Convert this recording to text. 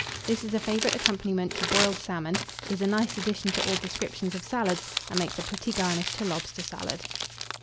This is a favourite accompaniment to boiled salmon, is a nice addition to all descriptions of salads, and makes a pretty garnish to lobster salad.